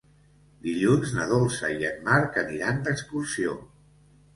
Dilluns na Dolça i en Marc aniran d'excursió.